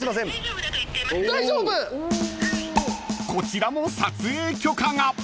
［こちらも撮影許可が］